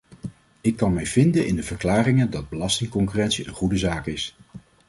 Ik kan mij vinden in de verklaringen dat belastingconcurrentie een goede zaak is.